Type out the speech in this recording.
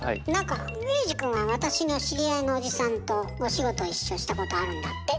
衛二くんは私の知り合いのおじさんとお仕事一緒したことあるんだって？